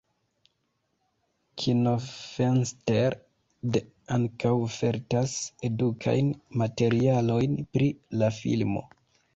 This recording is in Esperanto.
Kinofenster.de ankaŭ ofertas edukajn materialojn pri la filmo.